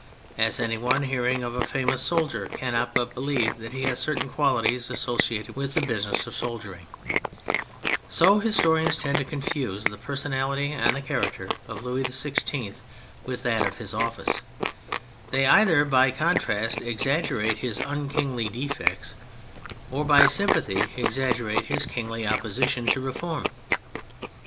as any one hearing of a famous soldier cannot but believe that he has certain qualities associated with the business of soldiering, so historians tend to confuse the personality and character of Louis XVI with that of his office; they either by con trast exaggerate his unkingly defects or by sympathy exaggerate his kingly opposition to reform.